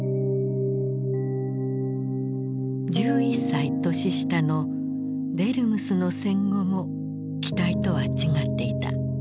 １１歳年下のデルムスの戦後も期待とは違っていた。